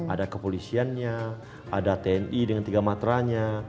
ada kepolisiannya ada tni dengan tiga matranya